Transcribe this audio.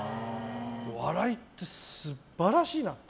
笑いって素晴らしいなって。